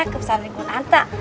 ke pesantrenku nanta